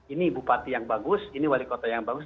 ini bupati yang bagus ini wali kota yang bagus